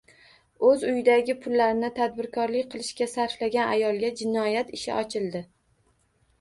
O‘z uyidagi pullarni tadbirkorlik qilishga sarflagan ayolga jinoyat ishi ochildi